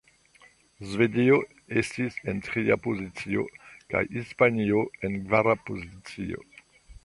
Svedio estis en tria pozicio, kaj Hispanio en kvara pozicio.